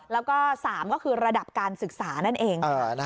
แล้วก็๓ก็คือระดับการศึกษานั่นเอง